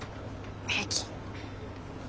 平気。